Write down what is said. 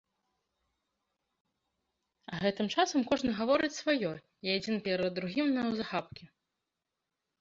А гэтым часам кожны гаворыць сваё і адзін перад другім наўзахапкі.